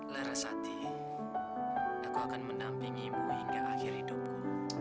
lera sati aku akan menampingimu hingga akhir hidupku